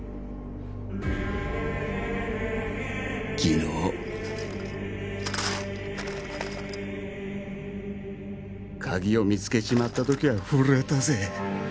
昨日鍵を見つけちまった時は震えたぜ。